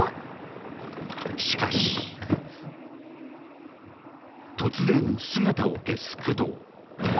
しかし突然、姿を消す工藤。